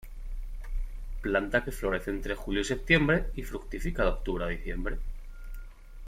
Planta que florece entre julio y septiembre y fructifica de octubre a diciembre.